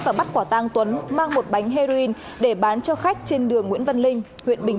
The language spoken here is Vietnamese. và bắt quả tang tuấn mang một bánh heroin để bán cho khách trên đường nguyễn văn linh huyện bình